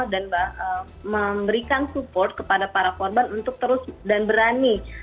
dan memberikan support kepada para korban untuk terus dan berani